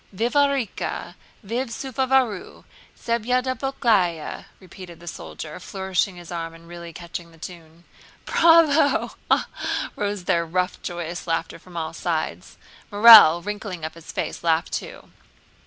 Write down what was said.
"Vivarika! Vif seruvaru! Sedyablyaka!" repeated the soldier, flourishing his arm and really catching the tune. "Bravo! Ha, ha, ha!" rose their rough, joyous laughter from all sides. Morel, wrinkling up his face, laughed too.